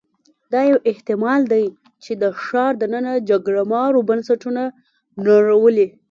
دا یو احتمال دی چې د ښار دننه جګړه مارو بنسټونه نړولي